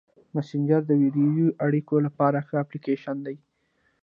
مسېنجر د ویډیويي اړیکو لپاره ښه اپلیکیشن دی.